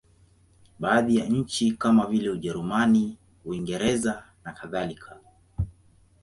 Baadhi ya nchi kama vile Ujerumani, Uingereza nakadhalika.